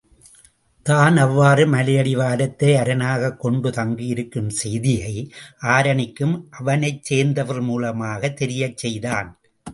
தான் அவ்வாறு மலையடிவாரத்தை அரணாகக் கொண்டு தங்கியிருக்கும் செய்தியை ஆருணிக்கும் அவனைச் சேர்ந்தவர்கள் மூலமாகவே தெரியச் செய்தான்.